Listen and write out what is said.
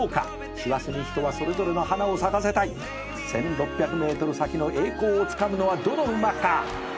「師走に人はそれぞれの花を咲かせたい」「１，６００ｍ先の栄光をつかむのはどの馬か」